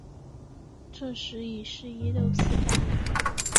这时已是一六四八年。